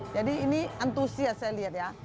jadi ini antusias saya lihat ya